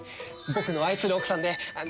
僕の愛する奥さんで。